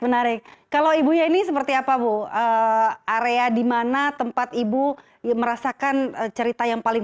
menarik kalau ibunya ini seperti apa bu area dimana tempat ibu merasakan cerita yang paling